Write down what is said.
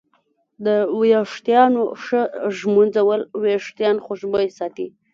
د ویښتانو ښه ږمنځول وېښتان خوشبویه ساتي.